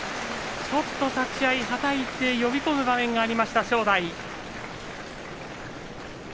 立ち合い、はたいて、呼び込む場面がありました、正代。